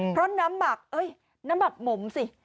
เพราะน้ำหมักเอ้ยน้ำหมักหมมสิ